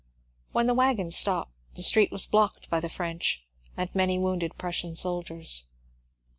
When the wagon stopped the street was blocked by the French and many wounded Prussian soldiers.